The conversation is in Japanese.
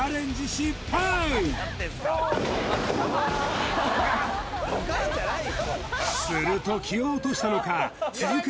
失敗すると気を落としたのか続く